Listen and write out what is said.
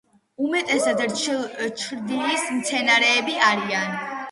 უმეტესად ჩრდილის მცენარეები არიან.